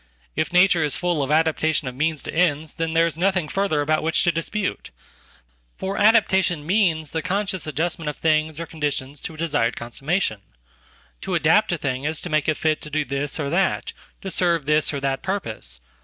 If nature is full of adaptation of means to ends, thenthere is nothing further about which to dispute. For adaptationmeans the conscious adjustment of things or conditions to a desiredconsummation. To adapt a thing is to make it fit to do this orthat, to serve this or that purpose.